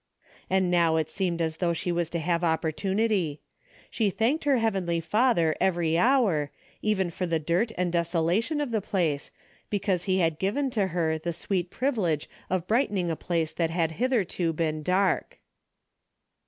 And now it seemed as though she was to have opportunity. She thanked her heavenly Father every hour, even for the dirt and desolation of the place, because he had given to her the sweet privilege of brightening a place that had hitherto been dark.